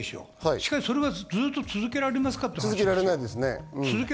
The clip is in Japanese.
しかし、それはずっと続けられますか？という話です。